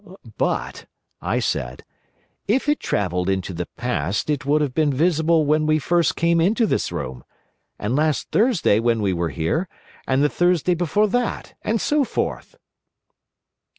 "But," said I, "If it travelled into the past it would have been visible when we came first into this room; and last Thursday when we were here; and the Thursday before that; and so forth!"